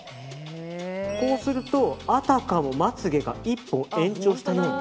こうすると、あたかもまつ毛が１本延長したように。